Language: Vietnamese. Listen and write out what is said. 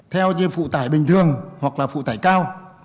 theo như phụ tải bình thường hoặc là phụ tải cao